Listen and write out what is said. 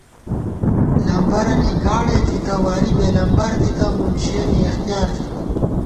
لمبَرَنی گاڑَئی تھِتہ واری بېلمبر دِتہ مُنشِیَنی اختِیار تھنی